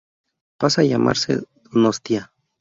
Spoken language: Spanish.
Pasa llamarse "Donostia".